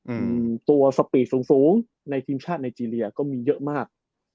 อืมตัวสปีดสูงสูงในทีมชาติไนเจรียก็มีเยอะมาก